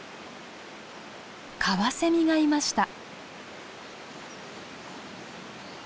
カワセミがいました。